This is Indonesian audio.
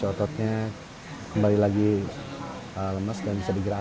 seperti siapa lebih ramai atau berapa tiap setiap tahun